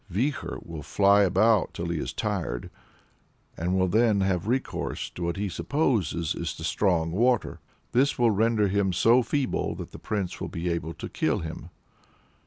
Vikhor will fly about till he is tired, and will then have recourse to what he supposes is the "Strong Water;" this will render him so feeble that the Prince will be able to kill him.